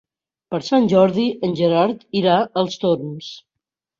Per Sant Jordi en Gerard irà als Torms.